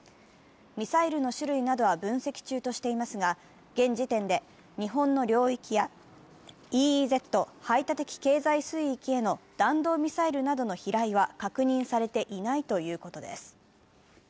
ミサイルの種類などは分析中としていますが、現時点で日本の領域やＥＥＺ＝排他的経済水域への弾道ミサイルなどの飛来は確認されていないということです。